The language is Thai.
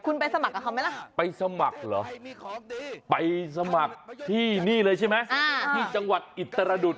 คุณไปสมัครกับเขาไหมล่ะไปสมัครเหรอไปสมัครที่นี่เลยใช่ไหมที่จังหวัดอิตรดุษ